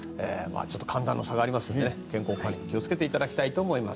寒暖の差がありますので健康管理に気をつけていただきたいと思います。